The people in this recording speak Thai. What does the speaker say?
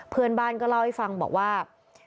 เพื่อนบ้านก็เล่าให้ฟังบอกว่า